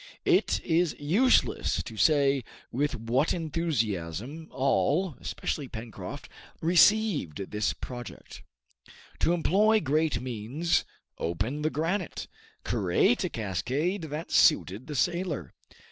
It is useless to say with what enthusiasm all, especially Pencroft, received this project. To employ great means, open the granite, create a cascade, that suited the sailor.